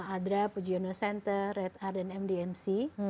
adra pujianu center red art dan mdmc